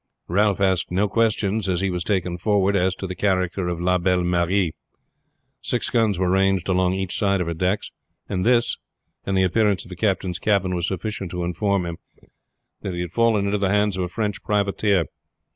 Ralph asked no questions, as he was taken forward, as to the character of La Belle Marie. Six guns were ranged along on each side of her decks, and this, and the appearance of the captain's cabin, was sufficient to inform him that he had fallen into the hands of a French privateer.